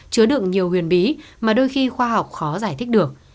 chứa đựng nhiều huyền bí mà đôi khi khoa học khó giải thích được